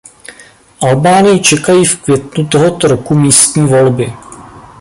Albánii čekají v květnu tohoto roku místní volby.